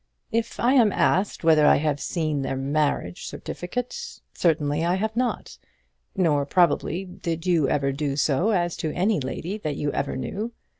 "If I am asked whether I have seen her marriage certificate, certainly I have not; nor probably did you ever do so as to any lady that you ever knew.